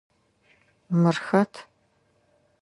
Мыр хэт?